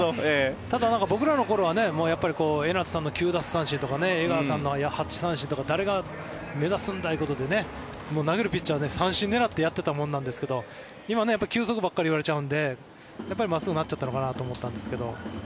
ただ、僕らの頃は江夏さんの９奪三振とか江川さんの８三振とか誰が目指すんだということで投げるピッチャー、三振を狙ってやっていたものなんですが今、球速ばっかり言われちゃうので真っすぐになっちゃったのかなと思ったんですが。